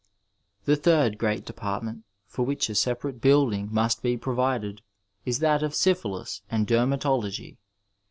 ^ The third great depart ment for which a separate building must be provided is that of Syphilis and Dermatology.